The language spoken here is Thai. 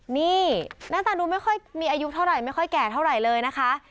นี่หน้าตาดูไม่ค่อยมีอายุเท่าไหร่ไม่ค่อยแก่เท่าไหร่เลยนะคะ